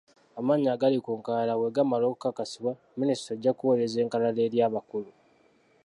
Amannya agali ku nkalala bwe gamala okukakasibwa, minisitule ejja kuweereza enkalala eri abakulu.